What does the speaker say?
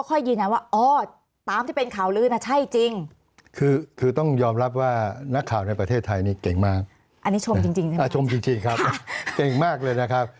ประเทศไทยนี่เก่งมากอันนี้ชมจริงจริงชมจริงจริงครับเก่งมากเลยนะครับ